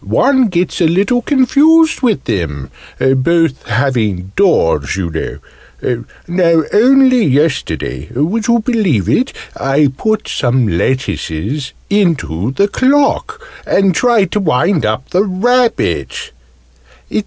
"One gets a little confused with them both having doors, you know. Now, only yesterday would you believe it? I put some lettuces into the clock, and tried to wind up the rabbit!"